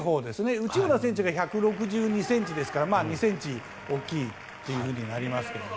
内村選手が１６２ｃｍですから２ｃｍ大きいというふうになりますけどね。